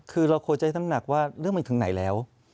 คือเราควรจะให้น้ำหนักว่าเรื่องมันถึงไหนแล้ว